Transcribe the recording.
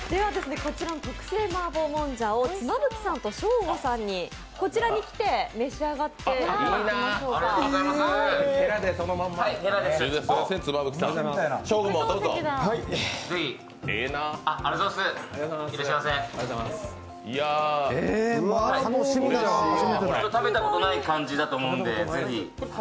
こちらの特製マーボーもんじゃを妻夫木さんとショーゴさんにこちらに来て召し上がっていただきましょう、いらっしゃいませ、食べたことない感じだと思うので、ぜひ。